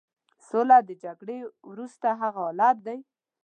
سوله د جګړې وروسته هغه حالت دی.